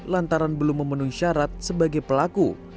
lantaran belum memenuhi syarat sebagai pelaku